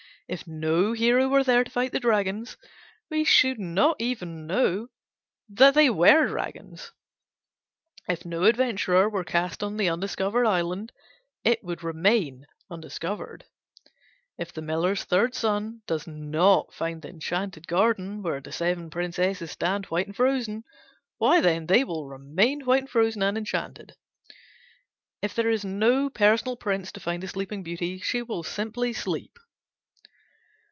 If no hero were there to fight the dragons, we should not even know that they were dragons. If no adventurer were cast on the undiscovered island it would remain undiscovered. If the miller's third son does not find the enchanted garden where the seven princesses stand white and frozen why, then, they will remain white and frozen and enchanted. If there is no personal prince to find the Sleeping Beauty she will simply sleep.